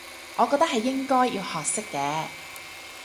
我覺得係應該要學識嘅